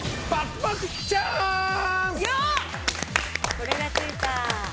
これがついた！